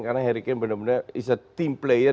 karena harry kane benar benar adalah pemain tim